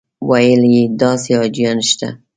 ویل یې داسې حاجیان شته.